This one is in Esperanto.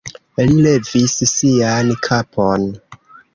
Li levis sian kapon.